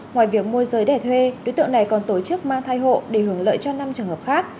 ngoài việc môi giới đẻ thuê đối tượng này còn tổ chức mang thai hộ để hưởng lợi cho năm trường hợp khác